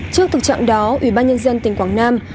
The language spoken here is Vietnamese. trước thực trạng đó ủy ban nhân dân tỉnh quảng nam